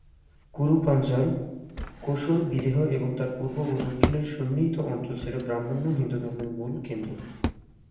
কুরু-পাঞ্চাল, কোশল-বিদেহ এবং তার পূর্ব ও দক্ষিণের সন্নিহিত অঞ্চল ছিল ব্রাহ্মণ্য হিন্দুধর্মের মূল কেন্দ্র।